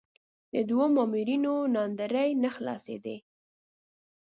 د دوو مامورینو ناندرۍ نه خلاصېدې.